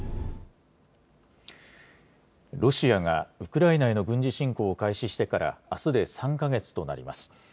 ロシアがウクライナへの軍事侵攻を開始してからあすで３か月となります。